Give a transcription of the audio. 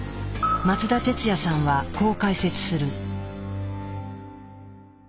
松田哲也さんはこう解説する。